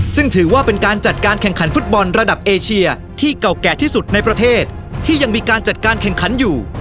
ซึ่งถือว่าเป็นการจัดการแข่งขันฟุตบอลระดับเอเชียที่เก่าแก่ที่สุดในประเทศที่ยังมีการจัดการแข่งขันอยู่